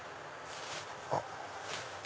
あっ。